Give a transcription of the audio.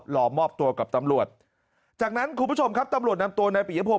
รอมอบตัวกับตำรวจจากนั้นคุณผู้ชมครับตำรวจนำตัวนายปิยพง